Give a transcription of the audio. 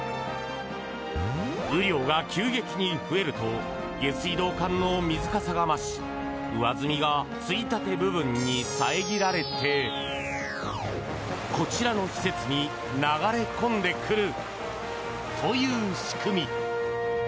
雨量が急激に増えると下水道管の水かさが増し上澄みがついたて部分に遮られてこちらの施設に流れ込んでくるという仕組み。